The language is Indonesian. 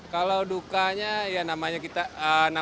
kalau dukanya namanya kita